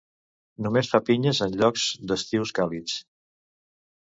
Només fa pinyes en llocs d'estius càlids.